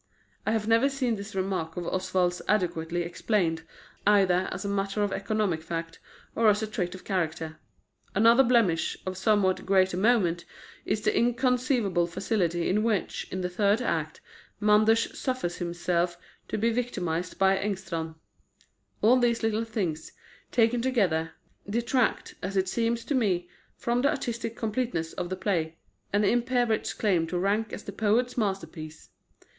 I have never seen this remark of Oswald's adequately explained, either as a matter of economic fact, or as a trait of character. Another blemish, of somewhat greater moment, is the inconceivable facility with which, in the third act, Manders suffers himself to be victimised by Engstrand. All these little things, taken together, detract, as it seems to me, from the artistic completeness of the play, and impair its claim to rank as the poet's masterpiece.